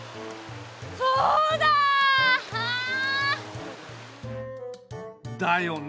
そうだ！あ！だよね。